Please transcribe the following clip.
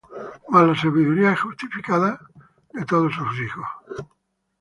Mas la sabiduría es justificada de todos sus hijos.